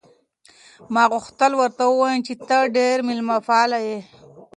ما غوښتل ورته ووایم چې ته ډېره مېلمه پاله یې.